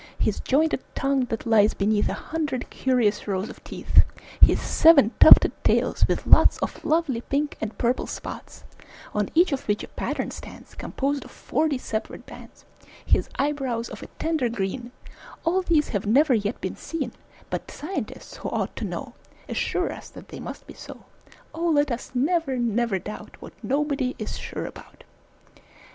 His jointed tongue that lies beneath A hundred curious rows of teeth; His seven tufted tails with lots Of lovely pink and purple spots, On each of which a pattern stands, Composed of forty separate bands; His eyebrows of a tender green; All these have never yet been seen But Scientists, who ought to know, Assure us that they must be so.... Oh! let us never, never doubt What nobody is sure about!